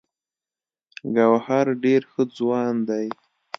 ګوهر ډې ښۀ ځوان دی